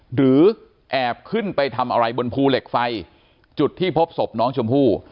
หรือแอบขึ้นไปทำอะไรบนภูเหล็กไฟจุดที่พบศพน้องชมพู่